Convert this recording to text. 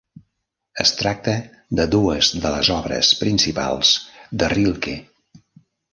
Es tracta de dues de les obres principals de Rilke.